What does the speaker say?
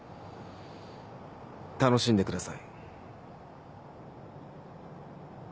楽しんでください。